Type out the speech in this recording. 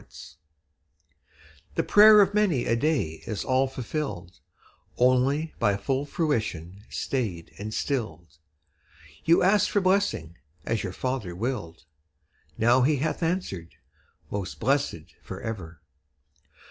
_) The prayer of many a day is all fulfilled, Only by full fruition stayed and stilled; You asked for blessing as your Father willed, Now He hath answered: 'Most blessed for ever!'